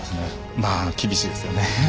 まあ厳しいですよね。